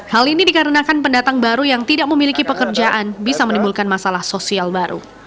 hal ini dikarenakan pendatang baru yang tidak memiliki pekerjaan bisa menimbulkan masalah sosial baru